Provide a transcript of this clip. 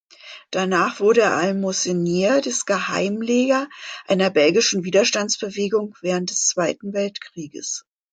Danach wurde er Almosenier des "Geheim Leger", einer belgischen Widerstandsbewegung während des Zweiten Weltkrieges.